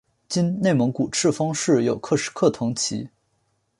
今内蒙古赤峰市有克什克腾旗。